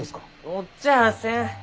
載っちゃあせん！